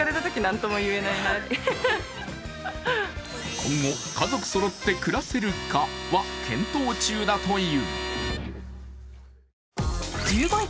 今後、家族そろって暮らせるかは検討中だという。